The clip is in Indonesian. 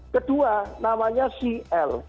kedua namanya cl